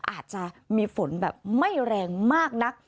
อาจจะมีฝนแบบไม่แรงมากนัก